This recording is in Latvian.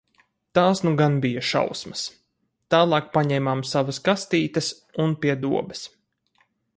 Tās nu gan bija šausmas. Tālāk paņēmām savas kastītes un pie dobes.